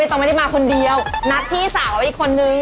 ต้องไม่ได้มาคนเดียวนัดพี่สาวเขาอีกคนนึง